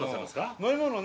飲み物ね